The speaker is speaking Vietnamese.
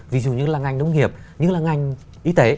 ví dụ như là ngành nông nghiệp như là ngành y tế